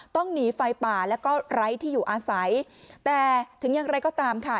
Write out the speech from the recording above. ต้องหนีไฟป่าแล้วก็ไร้ที่อยู่อาศัยแต่ถึงอย่างไรก็ตามค่ะ